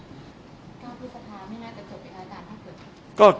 อัตรูฤชาศิลปะละตาม